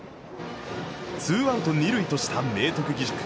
ツーアウト、二塁とした明徳義塾。